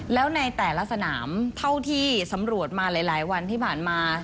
แล้วในแต่ละสนามเท่าที่สำรวจมาหลายวันที่ผ่านมา